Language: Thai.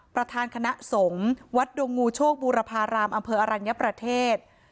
ประธานคณะสงฆ์วัดดงงูโชคบูรพารามอำเภออรัญญประเทศ